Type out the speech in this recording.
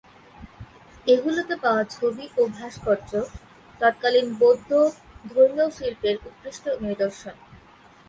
এগুলোতে পাওয়া ছবি ও ভাস্কর্য, তৎকালীন বৌদ্ধধর্মীয় শিল্পের উৎকৃষ্ট নিদর্শন।